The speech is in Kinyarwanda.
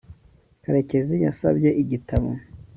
karekezi yabasabye igitabo